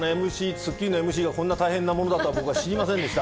『スッキリ』のＭＣがこんなに大変なものだったとは知りませんでした。